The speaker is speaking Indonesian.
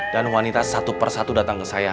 dan wanita satu persatu datang ke saya